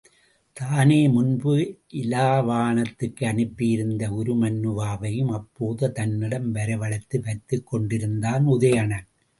தானே முன்பு இலாவாணத்துக்கு அனுப்பி இருந்த உருமண்ணுவாவையும் இப்போது தன்னிடம் வரவழைத்து வைத்துக் கொண்டிருந்தான் உதயணன்.